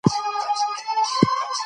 د نجونو زده کړه ټولنیز عدالت تامینوي.